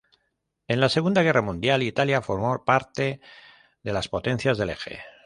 En la Segunda Guerra Mundial, Italia formó parte de las Potencias del Eje.